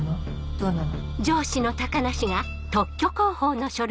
どうなの？